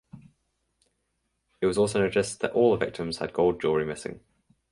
It was also noticed that all the victims had gold jewelry missing.